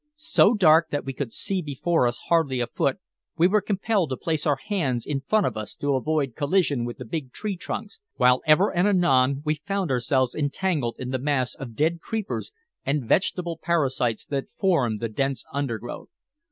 So dark that we could see before us hardly a foot, we were compelled to place our hands in front of us to avoid collision with the big tree trunks, while ever and anon we found ourselves entangled in the mass of dead creepers and vegetable parasites that formed the dense undergrowth.